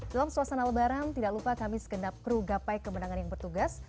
dalam suasana lebaran tidak lupa kami sekendap kru gapai kemenangan yang bertugas